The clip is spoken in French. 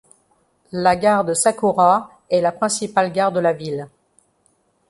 La gare de Sakura est la principale gare de la ville.